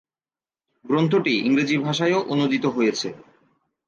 গ্রন্থটি ইংরেজি ভাষায়ও অনূদিত হয়েছে।